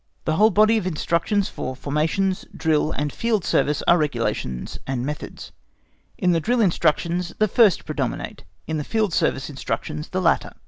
The whole body of instructions for formations, drill, and field service are regulations and methods: in the drill instructions the first predominate, in the field service instructions the latter.